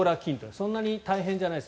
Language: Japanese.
そんなに大変じゃないです。